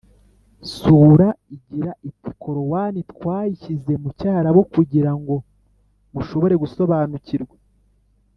sura igira iti “korowani twayishyize mu cyarabu kugira ngo mushobore gusobanukirwa